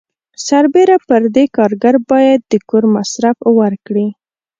سربیره پر دې کارګر باید د کور مصرف ورکړي.